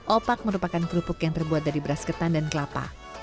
opak merupakan kerupuk yang terbuat dari beras ketan dan kelapa